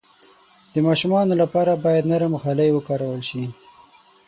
د ماشومانو لپاره باید نرم غالۍ وکارول شي.